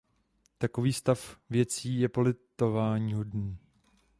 Takový stav věcí je politováníhodný.